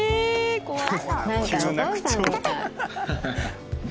怖い。